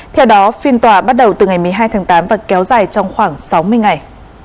theo đó phiên tòa bắt đầu từ ngày một mươi hai tháng tám và kéo dài trong khoảng sáu mươi ngày